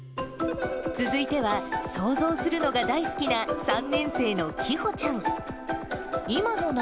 続いては、想像するのが大好きな３年生のきほちゃん。